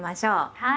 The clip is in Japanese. はい。